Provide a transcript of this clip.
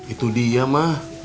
itu dia ma